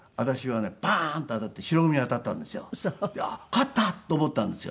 勝ったと思ったんですよ。